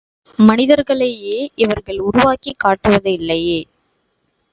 மனிதர்களையே இவர்கள் உருவாக்கிக் காட்டுவது இல்லையே.